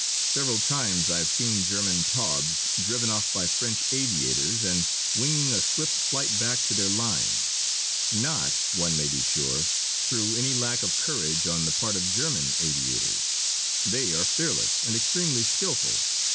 Several times I have seen German Taubes driven off by French aviators, and winging a swift flight back to their lines. Not, one may be sure, through any lack of courage on the part of German aviators. They are fearless and extremely skilful.